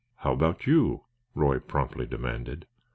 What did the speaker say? "How about you?" Roy promptly demanded.